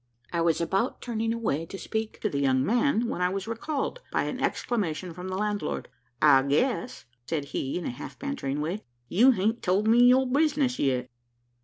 I was about turning away to speak to the young man, when I was recalled by an exclamation from the landlord: "I guess," said he, in a half bantering way, "you hain't told me your business yet?"